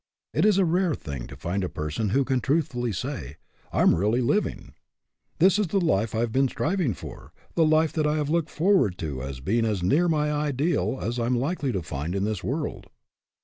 It is a rare thing to find a person who can truthfully say :" I am really living. This is the life I have been striving for, the life that I have looked forward to as being as near my ideal as I am likely to find in this world."